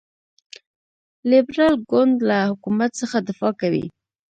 لیبرال ګوند له حکومت څخه دفاع کوي.